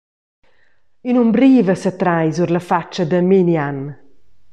In’umbriva setrai sur la fatscha da Menian.